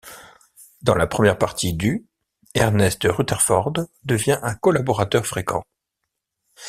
Dans la première partie du Ernest Rutherford devint un collaborateur fréquent.